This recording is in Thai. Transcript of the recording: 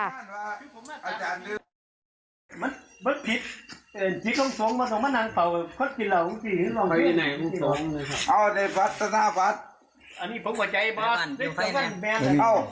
ครับผมครับเอ้อถ้าอยากเล่นอ่ะครับครับเอาแค่เหรอเอาแค่เหรอเหรอ